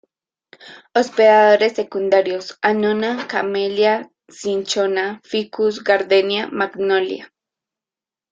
Hospedadores secundarios: "Annona, Camellia, Cinchona, Ficus, Gardenia, Magnolia".